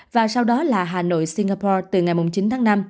và sau đó là hà nội singapore từ ngày chín tháng năm